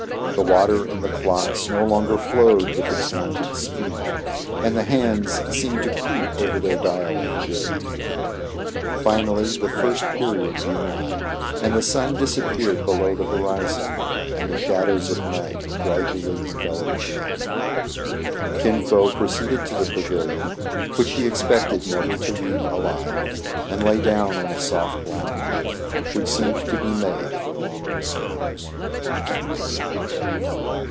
The water in the clocks no longer flowed with its wonted sf^ccd, and the hands seemed to creep over their dial of jarJe. I''inally the first period drew nigh, and the sun disappeared below the horizon, and the shadows of night gradually enveloped the yamen. Kin Fo proceeded to the pavilion, which he ex pected never to leave alive, and lay down on a soft lounge, which seemed to be made for long repose, and waited.